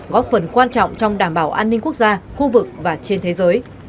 góp phần quan trọng trong đảm bảo an ninh quốc gia khu vực và trên thế giới